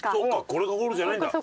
これがゴールじゃないんだ。